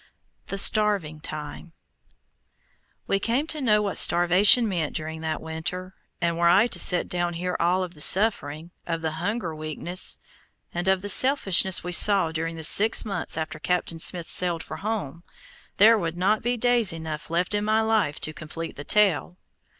THE "STARVING TIME" We came to know what starvation meant during that winter, and were I to set down here all of the suffering, of the hunger weakness, and of the selfishness we saw during the six months after Captain Smith sailed for home, there would not be days enough left in my life to complete the tale.